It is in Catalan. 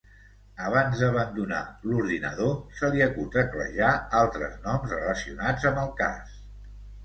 Abans d'abandonar l'ordinador se li acut teclejar altres noms relacionats amb el cas.